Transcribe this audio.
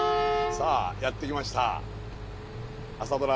さあやって来ました。